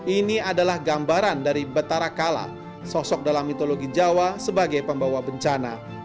ini adalah gambaran dari betara kala sosok dalam mitologi jawa sebagai pembawa bencana